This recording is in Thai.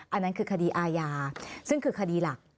อันนั้นคือคดีอาญาซึ่งคือคดีหลัก